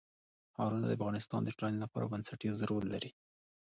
ښارونه د افغانستان د ټولنې لپاره بنسټيز رول لري.